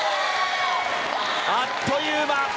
あっという間。